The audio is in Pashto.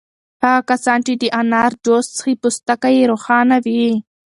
هغه کسان چې د انار جوس څښي پوستکی یې روښانه وي.